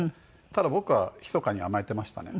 ただ僕はひそかに甘えていましたね。